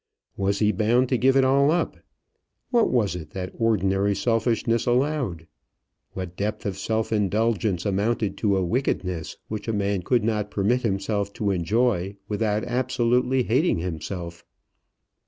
Was he bound to give it all up? What was it that ordinary selfishness allowed? What depth of self indulgence amounted to a wickedness which a man could not permit himself to enjoy without absolutely hating himself?